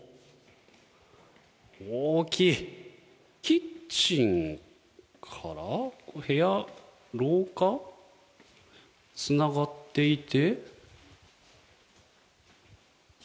キッチンから部屋、廊下つながっていて。